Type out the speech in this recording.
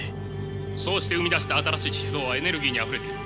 そうして生み出した新しい思想はエネルギーにあふれている。